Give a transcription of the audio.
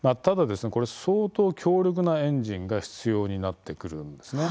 相当、強力なエンジンが必要になってくるんですね。